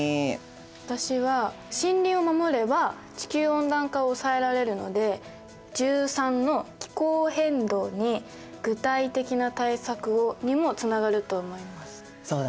私は森林を守れば地球温暖化を抑えられるので１３の「気候変動に具体的な対策を」にもつながると思います。